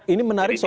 ini menarik soal